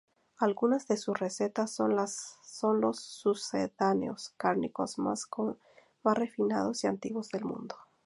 Algunas de sus recetas son los sucedáneos cárnicos más refinados y antiguos del mundo.